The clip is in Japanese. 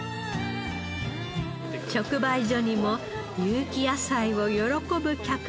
直売所にも有機野菜を喜ぶ客が増えました。